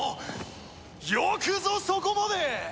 よくぞそこまで！